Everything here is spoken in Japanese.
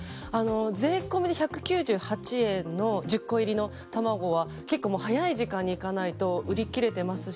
税込みで１９８円の１０個入りの卵は結構、早い時間に行かないと売り切れていますし。